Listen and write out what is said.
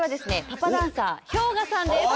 パパダンサーＨｙＯｇＡさんです。